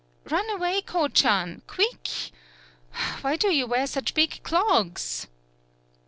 "Run away, Ko chan! quick! Why do you wear such big clogs?"